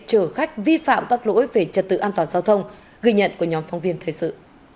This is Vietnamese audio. chở khách vi phạm các lỗi về trật tự an toàn giao thông ghi nhận của nhóm phóng viên thời sự